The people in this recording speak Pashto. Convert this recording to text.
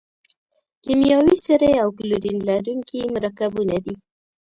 کیمیاوي سرې او کلورین لرونکي مرکبونه دي.